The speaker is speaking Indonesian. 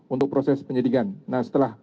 untuk proses penyidikan nah setelah